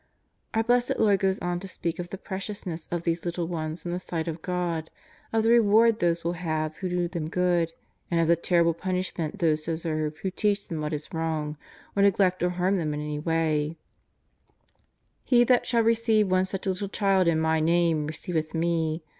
Our Blessed Lord goes on to speak of the precious ness of these little ones in the sight of God, of the reward those will have who do them good, and of the terrible punishment those deserve who teach them what is "v^Tong, or neglect or harm them in any way: " He that shall receive one such little child in My Name receiveth Me.